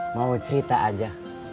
mau cerita aja